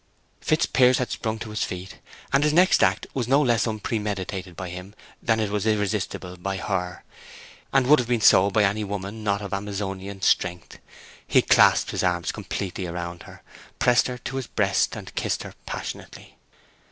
Fitzpiers had sprung to his feet, and his next act was no less unpremeditated by him than it was irresistible by her, and would have been so by any woman not of Amazonian strength. He clasped his arms completely round, pressed her to his breast, and kissed her passionately.